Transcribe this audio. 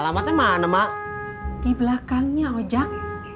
alamatnya mana mak di belakangnya ojak